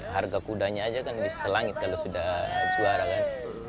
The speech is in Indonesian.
harga kudanya aja kan di selangit kalau sudah juara kan